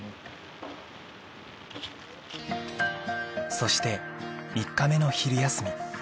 そして３日目の昼休み